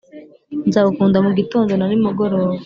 Nzagukunda mugitondo na nimugoroba